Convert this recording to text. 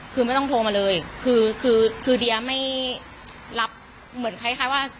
คือไม่ต้องโทรมาเลยคือคือเดียไม่รับเหมือนคล้ายว่า